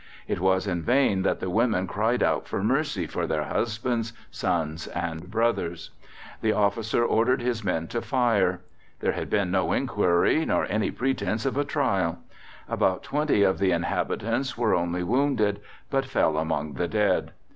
It was in vain that the women cried out for mercy for their husbands, sons, and brothers. The officer ordered his men to fire. There had been no inquiry nor any pretense of a trial. About 20 of the inhabitants were only wounded, but fell among the dead.